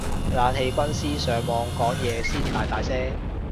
冷氣軍師上網講嘢先大大聲